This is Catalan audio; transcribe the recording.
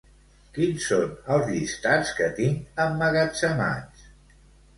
Quins són els llistats que tinc emmagatzemats?